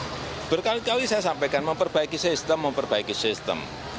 jadi berkali kali saya sampaikan memperbaiki sistem memperbaiki sistem